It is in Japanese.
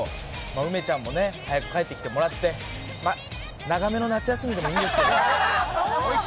梅ちゃんもね、早く帰ってきてもらって、長めの夏休みでもいいんですけど。